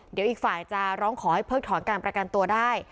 เดี๋ยวอีกฝ่ายจะร้องขอให้เพิกถอนการประกันตัวได้